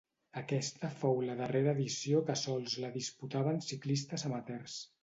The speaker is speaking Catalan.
Aquesta fou la darrera edició que sols la disputaven ciclistes amateurs.